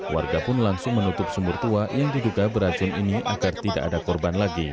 warga pun langsung menutup sumur tua yang diduga beracun ini agar tidak ada korban lagi